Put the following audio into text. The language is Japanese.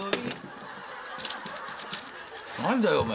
何だよお前。